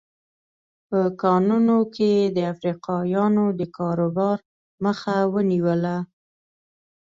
په کانونو کې یې د افریقایانو د کاروبار مخه ونیوله.